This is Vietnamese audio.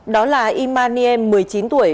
đó là imaniem một mươi chín tuổi